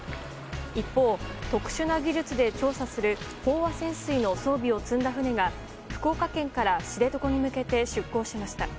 一方、特殊な技術で調査する飽和潜水の装備を積んだ船が福岡県から知床に向けて出航しました。